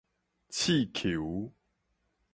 刺虯